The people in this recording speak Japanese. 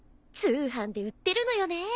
通販で売ってるのよね。